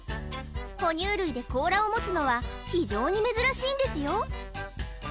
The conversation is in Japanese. ほ乳類で甲羅を持つのは非常に珍しいんですよ